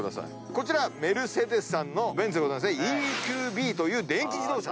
こちらメルセデスさんのベンツでＥＱＢという電気自動車。